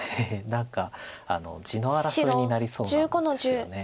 何か地の争いになりそうなんですよね。